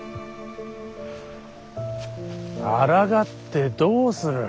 あらがってどうする。